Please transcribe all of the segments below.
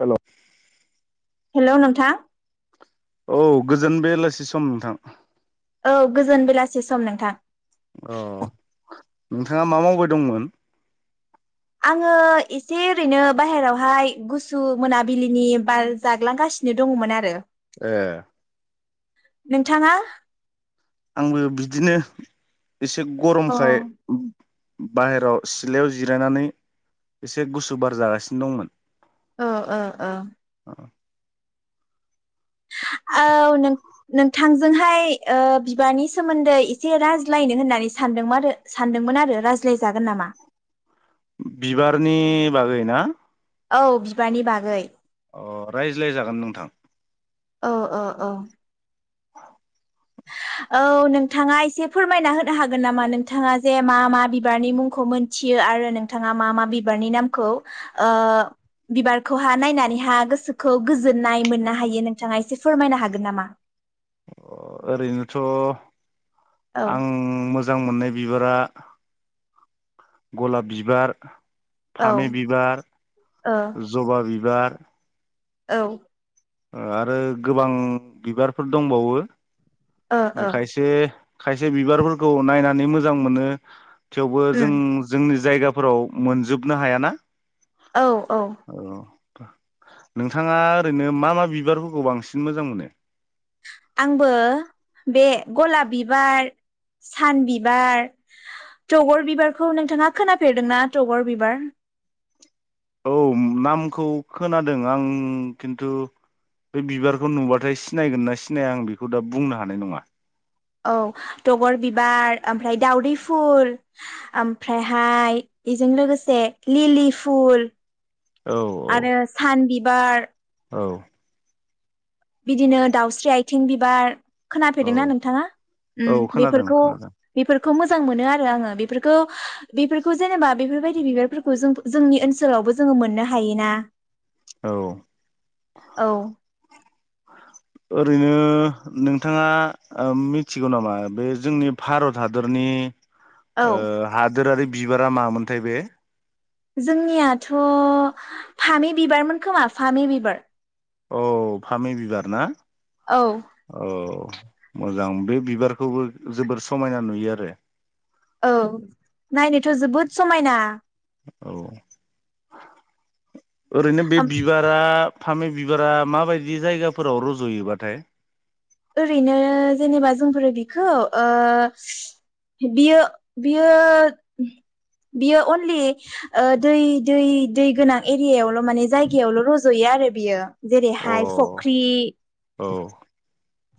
Hello. Hello नोंथां। औ गोजोन बेलासि सम नोंथां। औ गोजोन बेलासि सम नोंथां। अ नोंथाङा मा मावबाय दंमोन? आङो एसे ओरैनो बाहेरायावहाय गुसु मोनाबिलिनि बार जाग्लांगासिनो दङमोन आरो। ए। नोंथाङा? आंबो बिदिनो एसे अ ओ गरमखाय बाहेराव सिलायाव जिरायनानै एसे गुसु बार जागासिनो दंमोन। औ औ औ। अ। औ नों नोंथां जोंहाय बिबारनि सोमोन्दै एसे रायज्लायनो होननानै सानदोंमोन सानदोंमोन आरो रायज्लायजागोन नामा? बिबारनि बागै ना? औ बिबारनि बागै। अ रायज्लायजागोन नोंथां। औ औ। [inaudible] औ नोंथाङा एसे फोरमायना होनो हागोन नामा नोंथाङा जे मा मा बिबारनि मुंखौ मोनथियो आरो नोंथाङा मा मा बिबारनि नामखौ ओ बिबारखौहा नायनानैहा गोसोखौ गोजोननाय मोननो हायो नोंथाङा एसे फोरमायनो हागोन नामा? अ ओरैनोथ' औ आं मोज मोजां मोननाय बिबारा गलाब बिबार औ फामि ओ बिबार जबा बिबार बार औ। आरो गोबां बिबारफोर दंबावो। ओ खायसे खायसे बिबारफोरखौ नायनानै मोजां मोनो। थेवबो जों उम जोंनि जायगाफोराव मोनजोबनो हायाना? औ औ। नोंथाङा ओरैनो मा मा बिबारफोरखौ बांसिन मोजां मोनो? आंबो बे गलाब बिबार सान बिबार थगर बिबारखौ नोंथाङा खोनाफेरदोंना तगर बिबार? औ नामखौ खोनादों आं खिन्थु बे बिबारखौ नुबाथाय सिनायगोन ना सिनाया आं बेखौ दा बुंनो हानाय नङा। औ थगर बिबार ओमफ्राय दावदै फुल ओमफ्रायहाय बेजों लोगोसे लिलि फुल। औ आरो सान बिबार औ। बिदिनो दाउस्रि आथिं बिबार। औ खोनाफैदोंना नोंथाङा उम औ खोनादों बेफोरखौ खोनादों बेफोरखौ खौ मोजां मोनो आरो आङो बेफोरखौ बेफोरखौ जेनेबा बेफोरबायदि बिबारफोरखौ जों जोंनि ओनसोलावबो जोङो मोननो हायोना। औ। औ ओरैनो नोंथाङा ओ मिथिगौ नामा बे जोंनि भारत हादरनि औ ओ हादोरारि बिबारा मामोनथाय बे? जोंनियाथ फामि बिबारमोन खोमा फामि बिबार। औ फामि बिबार ना? औ औ। मोजां बे बिबारखौबो जोबोर समायना नुयो आरो। औ नायनोथ जोबोद समायना। औ। ओरैनो बे बिबारा फामि बिबारा माबायदि जायगाफोराव रजयोबाथाय? ओरैनो जेनेबा जोंफोरो बिखौ ओ बियो बियो बियो अनलि ओ दै दै दै गोनां एरियायावल माने जायगायावल रजयो आरो बियो। अ जेरैहाय फख्रि औ।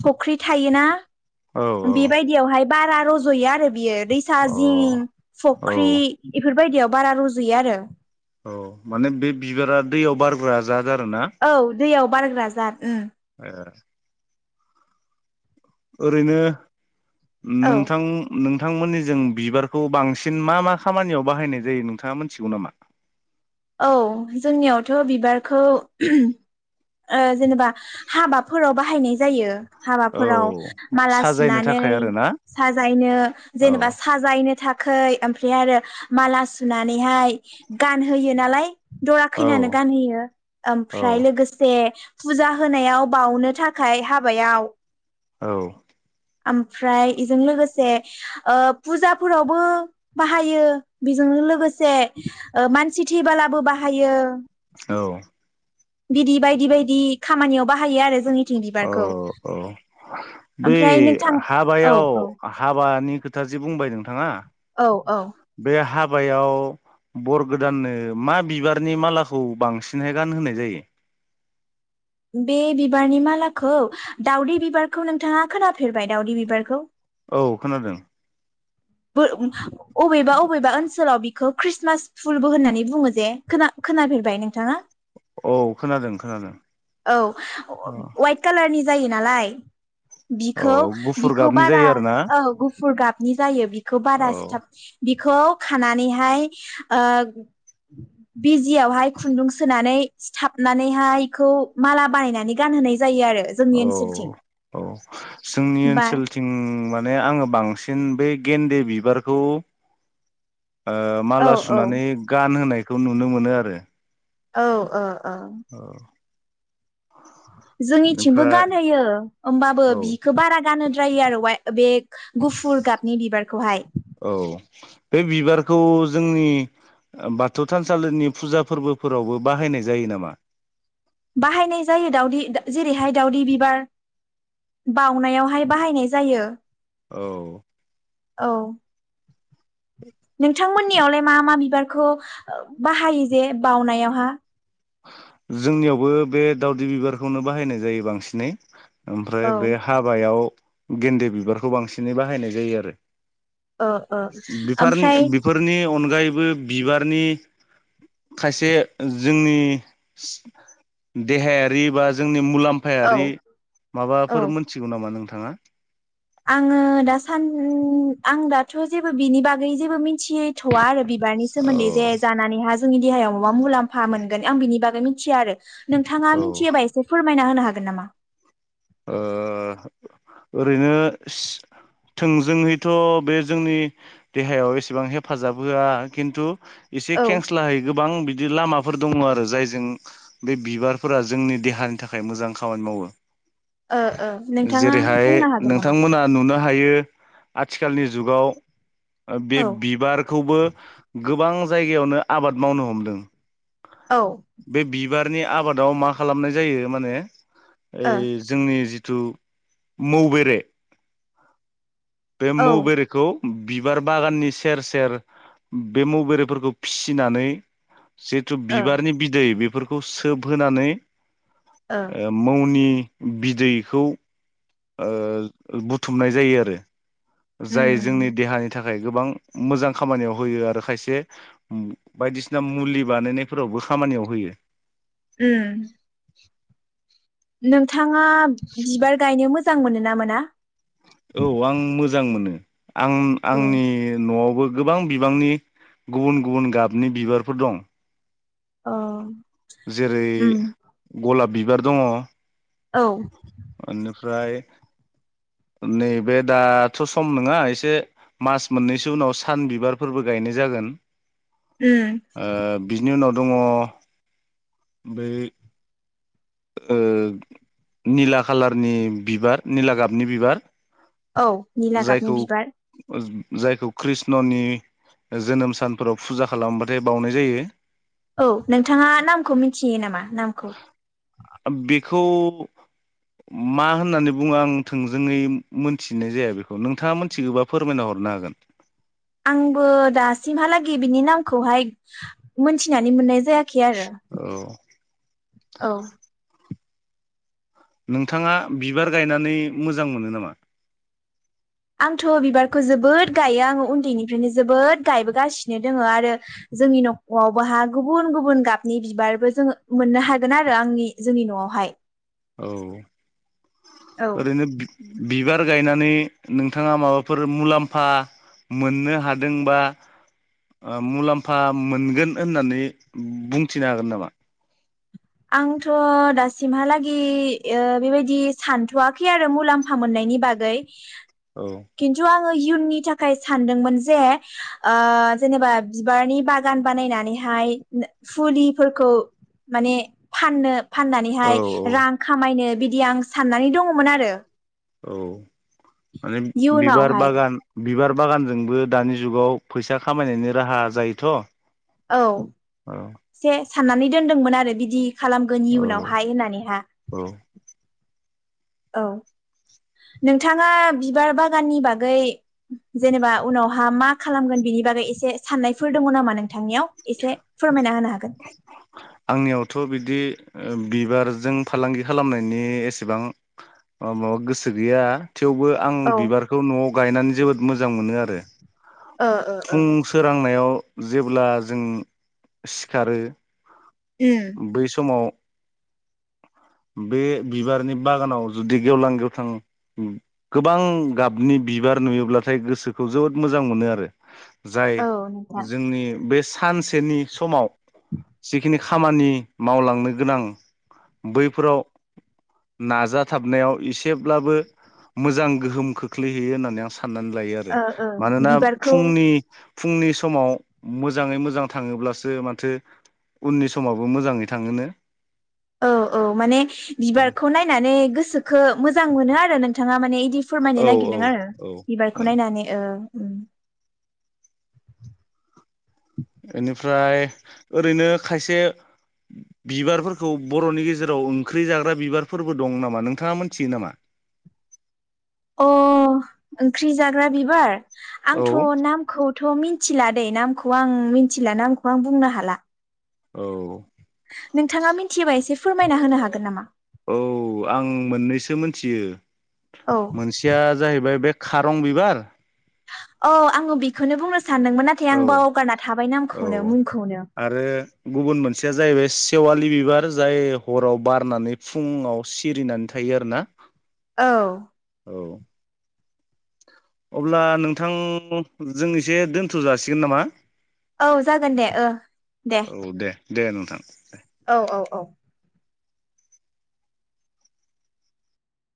फुख्रि थायोना? औ बेबायदियावहाय बारा रजयो आरो बियो। दैसा जिं अ औ फख्रि एफोरबायदियाव बारा रजयो आरो। औ माने बे बिबारा दैयाव बारग्रा जा औ दैयाव बारायग्रा जाथ [unintelligible] ओरैनो औ नोंथां नों नोंथांमोननि जों बिबारखौ बांसिन मा मा खामानियाव बाहायनाय जायो नोंथाङा मिथिगौ नामा। औ जोंनियावथ' बिबारखौ ओ जेनेबा हाबाफोराव बा बाहायनाय जायो औ हाबाफोराव माला साजायनो थाखाय सुनानै आरोना साजायनो औ जेनेबा साजायनो थाखाय [unintelligible] ओमफ्राय आरो माला सुनानै गान होयो नालाय दरा औ खैनानै गानहोयो औ ओमफ्राय लोगोसे फुजा होनायाव बावनो थाखाय हाबायाव औ ओमफ्राय बेजों लोगोसे फुजाफोरावबो बाहायो बेजों लोगोसे मानसि थैबोलाबो बाहायो औ बिदि बायदि बायदि खामानियाव बाहायो आरो जोंनि औ औ बै ओमफ्राय नोंथां औ हाबायाव औ हाबानि खोथा जि बुंबाय नोंथाङा औ औ बे हाबायाव बर गोदाननो मा बिबारनि मालाखौ बांसिनहाय गान होनाय जायो। बे बिबारनि मालाखौ दावदै बिबारखौ नोंथाङा खोनाफेरबाय दाउदै बिबारखौ औ खोनादों [unintelligible] अबेबा अबेबा ओनसाव बेखौ खृस्टमास फुलबो होननानै बुङो जे खोना खोनाफेरबाय नोंथाङा। औ खोनादों खोनादों औ वाइट कालारनि जायो नालाय औ बिखौ गुफुर बिखौ गाबनि बारा जायो आरोना औ गुफुर गाबनि जायो। औ [unintelligible] बिखौ खानानैहाय बिजियावहाय खुन्दुं सोनानै सिथाबनानैहाय बेखौ माला बानायनानै गानहोनाय जा औ औ जोंनि बा ओनसोलथिं माने आङो बांसिन बै गेन्दे बिबारखौ औ माला सुनानै गान होनाय खौ नुनो मोनो आरो औ ओ ओ औ जोंनिथिंबो ओमफ्राय गानहोयो ओमबाबो औ बिखो बारा गानहोद्रायो आरो वाय बे गुफुर गाबनि बिबार खौहाय औ बे बिबारखौ जोंनि बाथौ थानसालिनि फुजा फोरबो फोरावबो बाहायनाय जायो नामा बाहायनाय जायो दावदै जेरैहाय दावदै बिबार बउनायावहाय बाहायनाय जायो औ औ नोंथांमोननियावलाय मा मा बिबार खौ बाहायो जे बावनायावहा जोंनियावबो बे दावदै बिबारखौनो बाहायनाय जायो बांसिनै औ ओमफ्राय बे हाबायाव गेन्दे बिबारखौ बांसिनै बाहायनाय जायो आरो ओ ओ बेफार ओमफ्राय बेफोरनि अन अनगायैबो बिबारनि खायसे जोंनि देहायारि बा जोंनि औ मुलाम्फायारि माबाफोर औ मोनथिगौ नामा नोंथां थाङा आङो दासान आं दाथ जेबो बिनि बागै जेबो मिथियै थवा आरो बिबारनि औ सोमोन्दै जे जानानै हा जोंनि देहायाव माबा मुलाम्फा मोनगोन आं बिनि बागै मिथिया आरो नोंथाङा औ ओ मिथियोबा एसे फोर मायना होनो हागोन नामा ओ ओरैनो सि थोंजोहैथ बे जोंनि देहायाव एसेबां हेफाजाब होआ खिन्थु इसे औ खेंस्लाहै गोबां बि बिदि लामाफोर दङ आरो जायजों बे बिबारफोरा जोंनि देहानि थाखाय मोजां खामानि मावो ओ ओ नोंथाङा जेरैहाय बुंनो हागोन नामा? नोंथांमोना नुनो हायो आथिखालनि जुगाव ओ बे औ बिबारखौबो गोबां जायगायावनो आबाद मावनो हमदों ओ बे बि बिबारनि आबादाव मा खालामनाय जायो माने ओ ओइ नि जिथु मौबेरे बे औ मौ ओ बेरेखौ बिबार बागाननि सेर सेर बे मौ बेरेफोरखौ फिसिनानै जेथु बिबारनि बिदै बेफोरखौ खौ सोबहोनानै ओ ए मौनि बिदैखौ ओ बुथुमनाय जायो आरो । जाय जोंनि उम देहानि थाखाय थाखाय गोबां मोजां खामानियाव होयो आरो खायसे बायदिसिना मुलि बानायनायफोरावबो खामानियाव होयो । उम नोंथाङा बिबार गायनो मोजां मोनो ना मोना? औ आं मोजां मोजां मोनो आं अ आंनि न'आवबो गोबां बिबांनि गुबुन गुबुन गाबनि बिबारफोर दं । जेरै उम गलाब बिबार दङ' औ । ओनिफ्राय नैबे दाथ' सम नङा एसे मास मोननैसो उनाव सान बिबारफोरबो गायनाय जागोन । उम ओ बिनि उनाव दङ' बै ओ निला खालारनि बिबार निला गाबनि बिबार । औ निला गाबनि बिबार । जायखौ कृष्णनि जोनोम सानफोराव फुजा खालामबाथाय बावनाय जायो । औ नोंथाङा नामखौ मिथियो नामा नामखौ आ बेखौ मा होननानै बुङो आं थोंजोङै मो मोनथिनाय जाया बेखौ नोंथाङा मोनथिगौबा फोरमायना हरनो हागोन? आंबो दासिमहालागै बिनि नामखौहाय मोनथिनानै मोननाय जायाखै आरो औ औ । नोंथाङा बिबार गायनानै मोजां मोनो नामा? आंथ' बिबारखौ जोबोद गायो आङो उन्दैनिफ्रायनो जोबोद गायबोगासिनो दोङो आरो जोंनि न'आवबोहा गुबुन गुबुन गाबनि बिबारबो जोङो मोननो हागोन आरो आंनि जोंनि न'आवहाय । औ औ ओरैनो बि बिबार गायनानै नोंथाङा माबाफोर मुलाम्फा मोननो हादोंबा ओ मुलाम्फा मोनगोन होननानै बुंथिनो हागोन नामा? आंथ' दासिमहालागि बेबायदि ओ सानथ'वाखै आरो मुलाम्फा मोननायनि बागै औ । खिन्थुआं ङो इयुननि थाखाय सानदोंमोन जे ओ जेनेबा बिबारनि बागान बानायनानैहाय फुलिफोरखौ माने फाननो औ फाननानैहाय औ रां खामायनो बि दि आं साननानै दङमोन आरो । औ । माने बिबार इयुनावहाय बागान बिबार बागानजोंबो दानि जुगाव फैसा खामायनायनि राहा जायोथ'? औ से साननानै दोनदोंमोन आरो बिदि खालामगोन औ इयुनावहाय होननानैहा । औ औ नोंथाङा बिबार बागाननि बागै जेनेबा उनावहा मा खालामगोन बिनि बागै एसे साननायफोर दङ नामा नों थांनियाव, एसे फोरमायना होनो हागोन। आंनियावथ' बिदि ओ बिबारजों फालांगि खालामनायनि एसेबां माबा गोसो गैया। थेवबो आं औ बिबारखौ न'आव गायनानै जोबोद मोजां मोनो आरो। ओ ओ ओ फुं सोरांनायाव जेब्ला जों सिखारो बै समाव बे बिबारनि बागानाव जुदि गेवलां गेवथां गोबां गाबनि बिबार नुयोब्लाथाय गोसोखौ जोबोद मोजां मोनो आरो। जाय औ नोंथां जोंनि बेस्ट सानसेनि समाव जिखिनि खामानि मावलांनो गोनां बैफोराव नाजाथाबनायाव एसेब्लाबो मोजां गोहोम खोख्लैहैयो होननानै आं सा नानै लायो आरो। ओ ओ मानोना बिबारखौ फुंनि फुंनि समाव मोजाङै मोजां थाङोब्लासो माथो उननि समावबो मोजाङै थाङोनो। औ औ माने औ बिबारखौ नायनानै गोसोखो मोजां मोनो आरो नों थाङा माने इदि फोरमायनो औ नागिरदों आरो, औ बिबारखौ नायनानै ओं। उम इनिफ्राय ओरैनो खायसे बिबारफोरखौ बर'नि गेजेराव ओंख्रि जाग्रा बिबारफोरबो दं नामा नोंथाङा मोनथियो नामा? अ ओंख्रि जाग्रा बिबार? औ आंथ' नामखौथ' मिन थिलादै नामखौ आं मिनथिला नामखौ आं बुंनो हाला। औ नोंथाङा मिथियोबा एसे फोरमायना होनो हागोन नामा? औ आं मोननैसो मोनथियो। औ मोनसेया जाहैबाय बे खारं बिबार औ आङो बेखौनो बुंनो सानदोंमोन नाथाय औ बावगारना थाबाय औ नामखौनो मुंखौनो। आरो गुबुन मोनसेया जाहैबाय सेवालि बिबार जाय हराव बारनानै फुङाव सिरिनानै थायो आरो ना। औ औ अब्ला नोंथां जों एसे दोन्थ' जासिगोन नामा? औ जागोन दे ओ दे। दे नोंथां। औ औ औ।